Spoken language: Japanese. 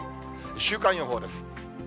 週間予報です。